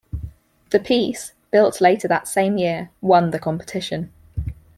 The piece, built later that same year, won the competition.